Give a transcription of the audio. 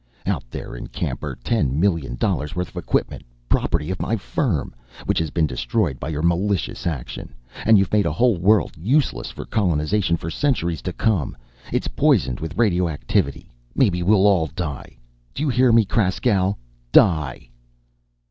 Out there in camp are ten million dollars' worth of equipment property of my firm which has been destroyed by your malicious action. And you've made a whole world useless for colonization for centuries to come! It's poisoned with radioactivity! Maybe we'll all die! Do you hear me, Kraskow? Die!"